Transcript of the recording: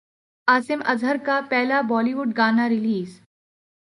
عاصم اظہر کا پہلا بولی وڈ گانا ریلیز